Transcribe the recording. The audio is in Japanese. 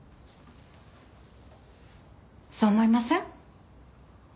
そう思いません？